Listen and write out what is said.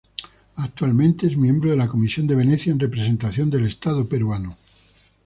Actualmente es miembro de la Comisión de Venecia en representación del Estado peruano.